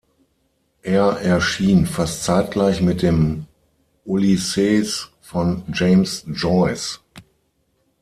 Er erschien fast zeitgleich mit dem "Ulysses" von James Joyce.